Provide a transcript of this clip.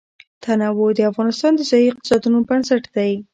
تنوع د افغانستان د ځایي اقتصادونو بنسټ دی.